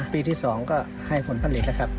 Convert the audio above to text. ปีที่สองก็ให้ผลผลิตแล้วครับ